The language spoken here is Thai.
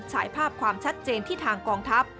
ฉายภาพความชัดเจนที่ทางกองทัพ